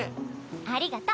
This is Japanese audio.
ありがと。